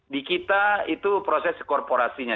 di kita itu proses korporasinya